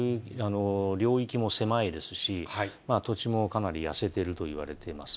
領域も狭いですし、土地もかなり痩せてるといわれています。